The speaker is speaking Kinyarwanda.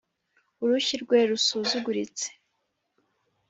urushyi rwe rusuzuguritse,